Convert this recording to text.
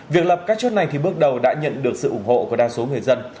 việc lập các chốt này bước đầu đã nhận được sự ủng hộ của đa số người dân